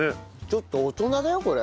ちょっと大人だよこれ。